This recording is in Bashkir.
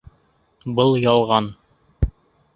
Был ялған